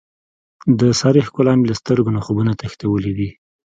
د سارې ښکلا مې له سترګو نه خوبونه تښتولي دي.